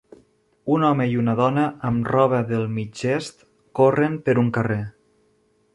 Un home i una dona, amb roba del mig-est, corren per un carrer.